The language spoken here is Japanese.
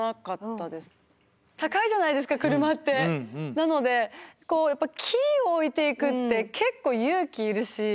なのでこうキーを置いていくって結構勇気いるし